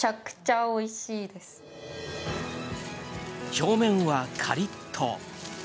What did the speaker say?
表面はカリッと。